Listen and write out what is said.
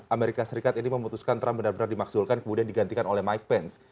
amerika serikat ini memutuskan trump benar benar dimakzulkan kemudian digantikan oleh mike pence